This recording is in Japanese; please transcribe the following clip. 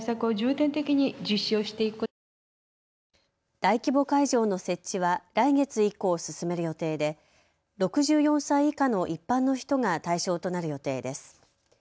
大規模会場の設置は来月以降進める予定で６４歳以下の一般の人が対象となる予定です。